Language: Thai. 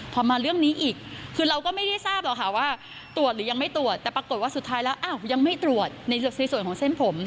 พอมาเรื่องนี้อีกคือเราก็ไม่ได้ทราบหรอกค่ะว่าตรวจหรือยังไม่ตรวจแต่ปรากฏว่าสุดท้ายแล้วอ้าวยังไม่ตรวจในส่วนของเส้นผม